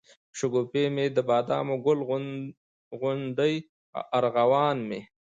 شګوفې مي دبادامو، ګل غونډۍ او ارغوان مي